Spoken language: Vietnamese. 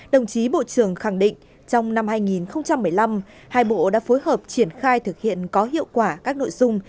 đồng chí bộ trưởng khẳng định trong năm hai nghìn một mươi năm hai bộ đã phối hợp triển khai thực hiện có hiệu quả các nội dung